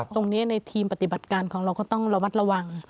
ในทีมปฏิบัติการของเราก็ต้องระมัดระวัง